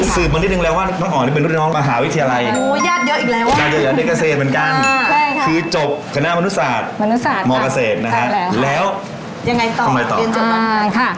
เสิร์ฟมานิดนึงแล้วว่าน้องอ๋อนเป็นทุกน้องมหาวิทยาลัยน่าเยอะด้วยเกษตรเหมือนกันคือจบคณะมนุษย์ธรรมกเศสแล้วต้องเรียนโจทย์ต่อ